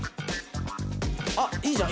あいいじゃん。